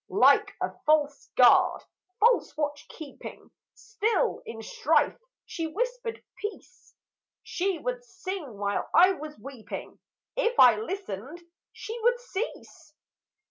Like a false guard, false watch keeping, Still, in strife, she whispered peace; She would sing while I was weeping; If I listened, she would cease.